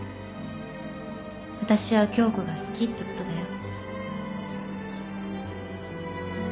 私は響子が好きってことだよ。